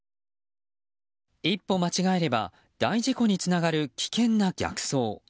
一歩間違えれば大事故につながる危険な逆走。